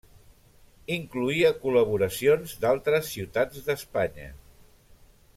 Incloïa col·laboracions d'altres ciutats d'Espanya.